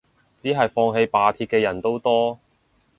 只係放棄罷鐵嘅人都多